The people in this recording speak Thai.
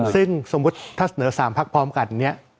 ซึ่งสมมุติถ้าเสนอ๓พักพร้อมกันเนี่ย